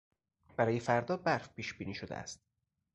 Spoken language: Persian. برای فردا برف پیشبینی شده است.